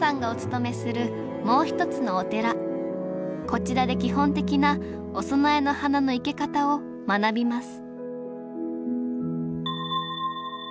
こちらで基本的なお供えの花の生け方を学びます